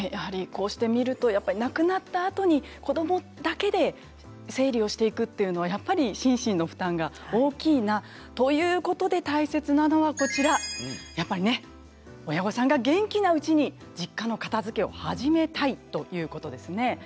こうして見ると亡くなったあとに子どもだけで整理をしていくというのは心身の負担が大きいなということで大切なのは親御さんが元気なうちに実家の片づけを始めたいということですね。